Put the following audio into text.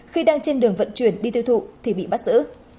khi đang trên đường vận chuyển đi tiêu thụ thì bị bắt giữ